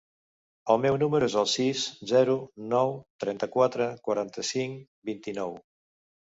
El meu número es el sis, zero, nou, trenta-quatre, quaranta-cinc, vint-i-nou.